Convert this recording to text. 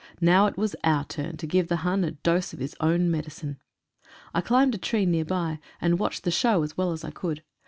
Now it was our turn to give the Hun a dose of his own medicine. I climbed a tree near by and watched the show as well as I could.